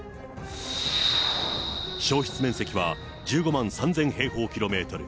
焼失面積は１５万３０００平方キロメートル。